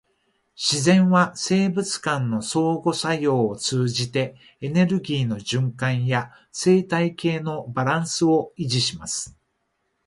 自然は生物間の相互作用を通じて、エネルギーの循環や生態系のバランスを維持します。